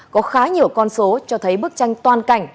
có khá nhiều con số cho thấy bức tranh toàn cảnh